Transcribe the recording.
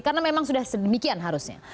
karena memang sudah sedemikian harusnya